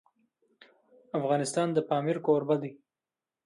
افغانستان د پامیر کوربه دی.